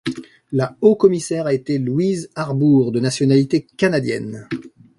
La Haut-Commissaire a été Louise Arbour, de nationalité canadienne.